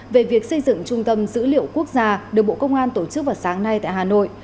về việc xây dựng trung tâm dữ liệu quốc gia được bộ công an tổ chức vào sáng nay tại hà nội